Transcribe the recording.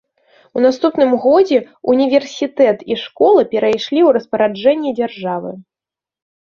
У наступным годзе ўніверсітэт і школа перайшлі ў распараджэнне дзяржавы.